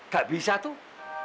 gak bisa tuh